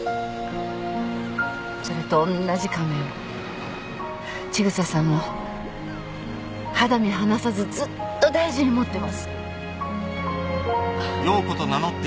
それとおんなじカメオ千草さんも肌身離さずずっと大事に持ってます。